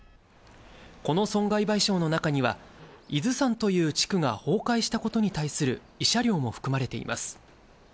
この損害賠償の中には、伊豆山という地区が崩壊したことに対する慰謝料も含まれています。